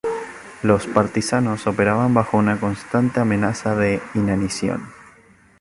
Los partisanos operaban bajo una constante amenaza de inanición.